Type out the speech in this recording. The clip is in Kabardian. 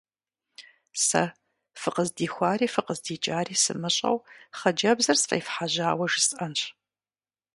Сэ, фыкъыздихуари фыкъыздикӀари сымыщӀэу, хъыджэбзыр сфӀефхьэжьауэ жысӀэнщ.